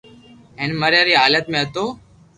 ھين مريا ري حالت ۾ ھتو